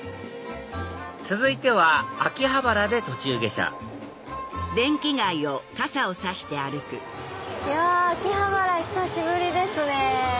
続いては秋葉原で途中下車いや秋葉原久しぶりですね。